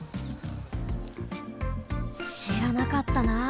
しらなかったな。